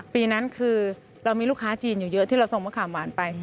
ปีนั้นคือเรามีลูกค้าจีนอยู่เยอะที่เราส่งมะขามหวานไป